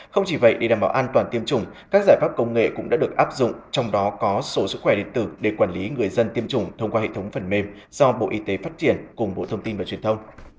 không chỉ vậy để đảm bảo an toàn tiêm chủng các giải pháp công nghệ cũng đã được áp dụng trong đó có số sức khỏe điện tử để quản lý người dân tiêm chủng thông qua hệ thống phần mềm do bộ y tế phát triển cùng bộ thông tin và truyền thông